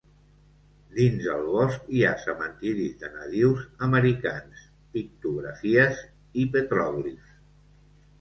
Dins el bosc hi ha cementiris de nadius americans, pictografies i petròglifs.